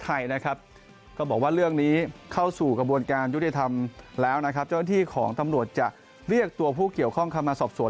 ทำรวจจะเรียกตัวผู้เกี่ยวข้องคำมาสอบส่วน